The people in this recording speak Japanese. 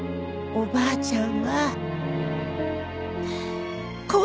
おばあちゃん。